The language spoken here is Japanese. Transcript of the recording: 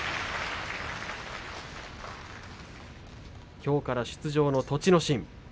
きょうから出場の栃ノ心。